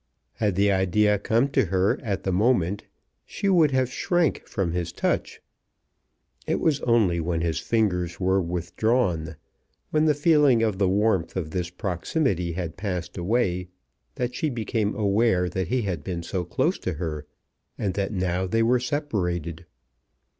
Had the idea come to her at the moment she would have shrank from his touch. It was only when his fingers were withdrawn, when the feeling of the warmth of this proximity had passed away, that she became aware that he had been so close to her, and that now they were separated.